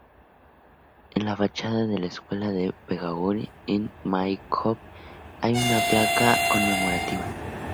En la fachada de la Escuela de Pedagogía de Maikop hay una placa conmemorativa.